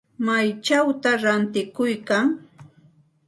¿Maychawta ratikuykan?